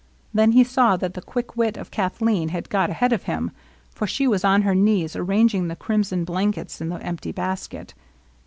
Then he saw that the quick wit of Kathleen had got ahead of him ; for she was on her knees arranging the crimson blan kets in the empty basket.